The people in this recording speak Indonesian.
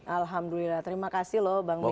alhamdulillah terima kasih loh bang boya